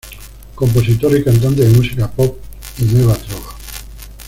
Compositora y cantante de música pop y Nueva Trova.